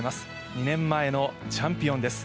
２年前のチャンピオンです。